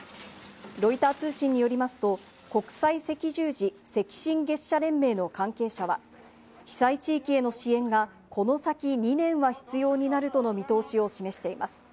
ロイター通信によりますと、国際赤十字・赤新月社連盟の関係者は被災地域への支援がこの先２年は必要になるとの見通しを示しています。